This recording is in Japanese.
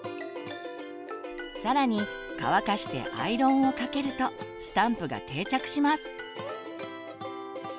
更に乾かしてアイロンをかけるとスタンプが定着します。